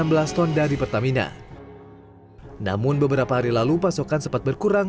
enam belas ton dari pertamina namun beberapa hari lalu pasokan sempat berkurang